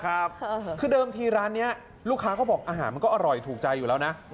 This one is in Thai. คือเดิมทีร้านนี้ลูกค้าเขาบอกอาหารมันก็อร่อยถูกใจอยู่แล้วนะ